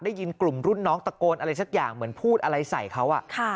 ได้ยินกลุ่มรุ่นน้องตะโกนอะไรสักอย่างเหมือนพูดอะไรใส่เขา